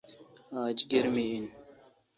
آج گرمی این۔